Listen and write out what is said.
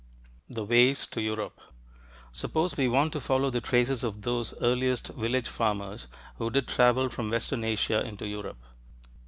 THE WAYS TO EUROPE Suppose we want to follow the traces of those earliest village farmers who did travel from western Asia into Europe.